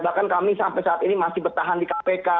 bahkan kami sampai saat ini masih bertahan di kpk